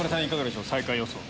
いかがでしょう？